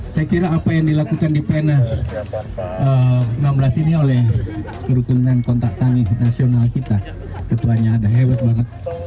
saya kira apa yang dilakukan di pns enam belas ini oleh kerukunan kontak tani nasional kita ketuanya ada hebat banget